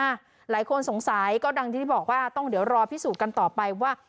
หลายคนสงสัยก็ดังที่บอกว่าต้องเดี๋ยวรอพิสูจน์กันต่อไปว่า